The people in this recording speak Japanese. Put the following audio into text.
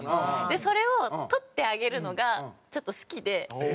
それを捕ってあげるのがちょっと好きで。